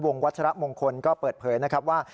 วัชระมงคลก็เปิดเผยนะครับว่า